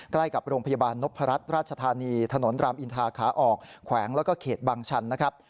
ใกล้กับโรงพยาบาลนพรัชราชธานีถนนรามอินทาขาออกแขวงแล้วก็เขตบางชันนะครับ